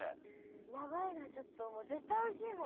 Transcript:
やばいなちょっともう絶対おいしいもん。